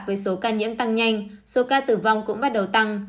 với số ca nhiễm tăng nhanh số ca tử vong cũng bắt đầu tăng